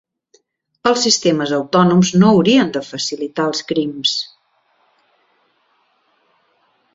Els sistemes autònoms no haurien de facilitar els crims.